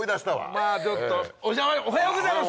まぁちょっとおはようございます！